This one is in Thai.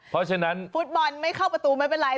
เพราะฉะนั้นฟุตบอลไม่เข้าประตูไม่เป็นไร